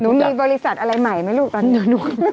มีบริษัทอะไรใหม่ไหมลูกตอนนี้